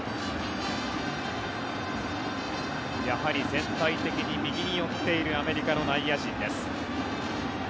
全体的に右に寄っているアメリカの内野陣です。